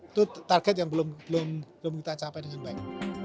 itu target yang belum kita capai dengan baik